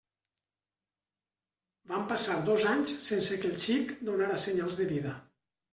Van passar dos anys sense que el xic donara senyals de vida.